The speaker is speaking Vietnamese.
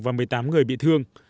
và một mươi tám người bị thương